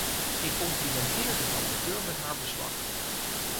Ik complimenteer de rapporteur met haar verslag.